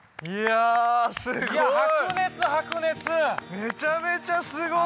めちゃめちゃすごい！